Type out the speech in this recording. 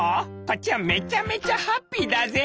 こっちはめちゃめちゃハッピーだぜ」。